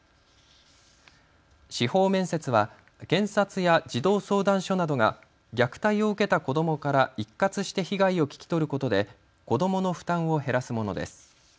司法面接は検察や児童相談所などが虐待を受けた子どもから一括して被害を聞き取ることで子どもの負担を減らすものです。